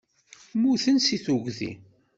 Mmutent seg tuggdi.